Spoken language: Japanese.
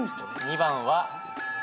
２番は。